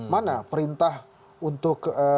mana perintah untuk